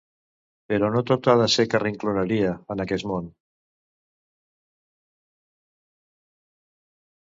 Però no tot ha de ser carrincloneria, en aquest món.